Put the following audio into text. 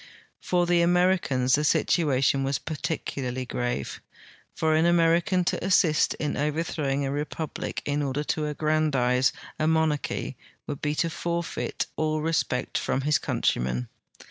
For the Ameri cans the situation was particularly grave. For an American to assist in overthrowing a republic in order to aggrandize a mon arch v would l)e to forfeit all respect from his countrymen.